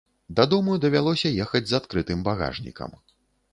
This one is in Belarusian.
Дадому давялося ехаць з адкрытым багажнікам.